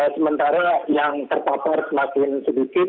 sementara yang terpapar semakin sedikit